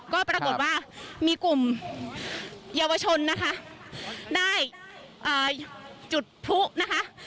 ก็ปรากฏว่ามีกลุ่มเยาวชนนะคะได้จุดพลุนะคะ